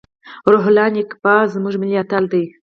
روح الله نیکپا زموږ ملي اتل دی.